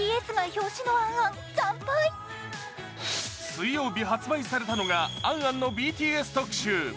水曜日発売されたのが「ａｎ・ａｎ」のＢＴＳ特集。